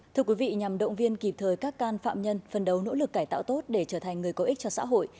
thưa quý vị nhằm động viên kịp thời các can phạm nhân phân đấu nỗ lực cải tạo tốt để trở thành người có ích cho xã hội